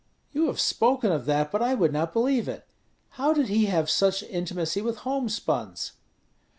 "You have spoken of that, but I would not believe it. How did he have such intimacy with homespuns?"